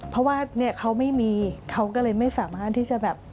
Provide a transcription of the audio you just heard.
เพราะว่าเนี่ยเขาไม่มีเขาก็เลยไม่สามารถที่จะแบบ